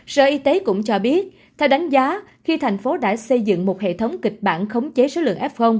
sở y tế cũng cho biết theo đánh giá khi thành phố đã xây dựng một hệ thống kịch bản khống chế số lượng f